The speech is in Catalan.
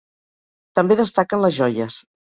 També destaquen les joies.